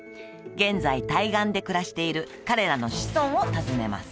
現在対岸で暮らしている彼らの子孫を訪ねます